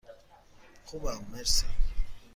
خوبم، مرسی.